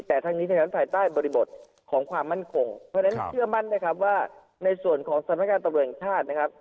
แต่ทางนี้จนถ่ายในบริบทของความมั่นคงเพราะฉะนั้นเชื่อมั่นในส่วนของสมกาลตำรวจอังกษา